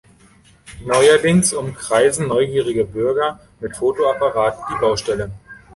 Neuerdings umkreisen neugierige Bürger mit Fotoapparat die Baustelle.